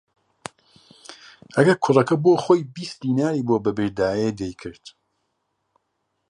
ئەگەر کوڕەکە بۆ خۆی بیست دیناری بۆ ببردایە دەیکرد